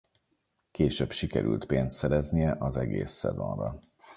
Később sikerült pénzt szereznie az egész szezonra.